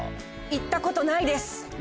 行った事ないです。